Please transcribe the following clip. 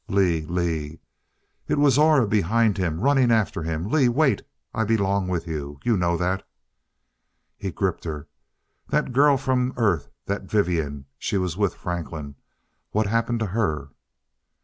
"Lee Lee " It was Aura behind him, running after him. "Lee wait I belong with you. You know that " He gripped her. "That girl from Earth that Vivian she was with Franklin. What happened to her?"